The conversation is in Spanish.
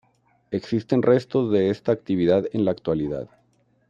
Existen restos de esta actividad en la actualidad.